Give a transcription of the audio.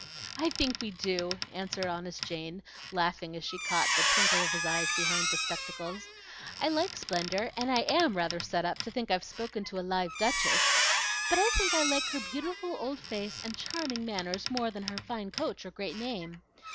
"I think we do," answered honest Jane, laughing as she caught the twinkle of his eyes behind the spectacles. "I like splendor, and I AM rather set up to think I've spoken to a live duchess; but I think I like her beautiful old face and charming manners more than her fine coach or great name.